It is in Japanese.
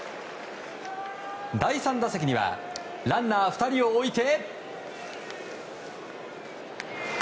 第３打席にはランナー２人を置いて。